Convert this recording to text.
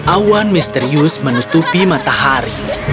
awan misterius menutupi matahari